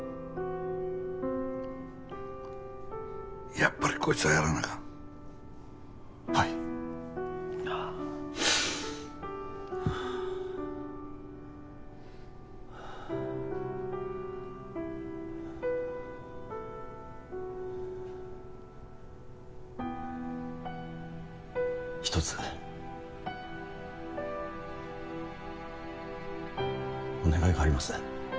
やっぱりこいつはやらなアカンはいはなをすする音一つお願いがあります